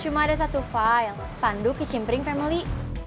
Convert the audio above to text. cuma ada satu file sepandu ke cimpering family